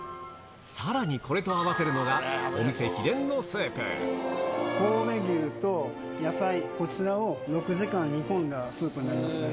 さらにこれと合わせるのが、神戸牛と野菜、こちらを６時間煮込んだスープになりますね。